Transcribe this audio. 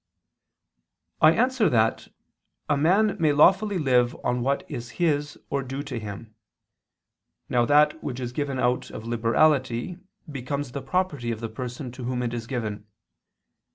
I answer that, A man may lawfully live on what is his or due to him. Now that which is given out of liberality becomes the property of the person to whom it is given.